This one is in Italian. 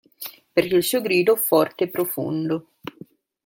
Perché il suo grido forte e profondo.